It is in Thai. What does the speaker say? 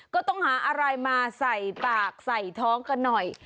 ก็ต้องหาอะไรมาใส่ปากใส่ท้องกันหน่อย